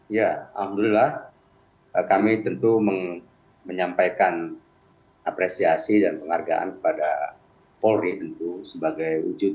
ya alhamdulillah kami tentu menyampaikan apresiasi dan penghargaan kepada polri tentu sebagai wujud